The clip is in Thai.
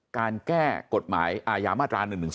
การแก้กฎหมายอาญามาตรา๑๑๒